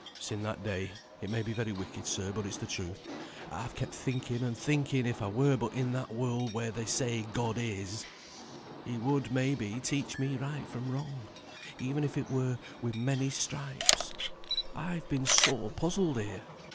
"Sin' that day (it may be very wicked, sir, but it's the truth) I've kept thinking and thinking if I were but in that world where they say God is, He would, may be, teach me right from wrong, even if it were with many stripes. I've been sore puzzled here.